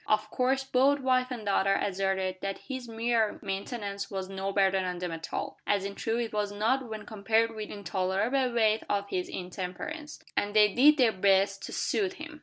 Of course both wife and daughter asserted that his mere maintenance was no burden on them at all as in truth it was not when compared with the intolerable weight of his intemperance and they did their best to soothe him.